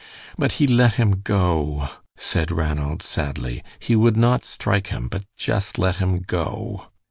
"But he let him go," said Ranald, sadly. "He would not strike him, but just let him go."